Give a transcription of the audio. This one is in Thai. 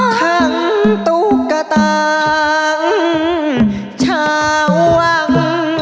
ทั้งตุ๊กตางชาววัง